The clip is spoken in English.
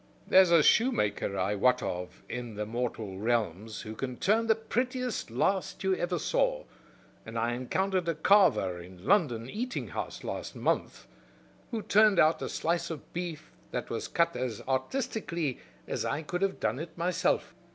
There's a shoemaker I wot of in the mortal realms who can turn the prettiest last you ever saw; and I encountered a carver in a London eating house last month who turned out a slice of beef that was cut as artistically as I could have done it myself.